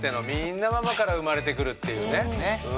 みんなママから生まれてくるっていうね。